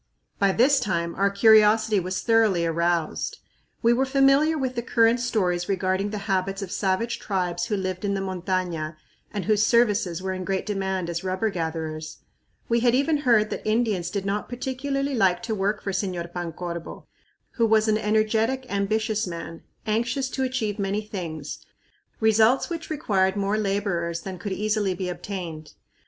By this time our curiosity was thoroughly aroused. We were familiar with the current stories regarding the habits of savage tribes who lived in the montaña and whose services were in great demand as rubber gatherers. We had even heard that Indians did not particularly like to work for Señor Pancorbo, who was an energetic, ambitious man, anxious to achieve many things, results which required more laborers than could easily be obtained.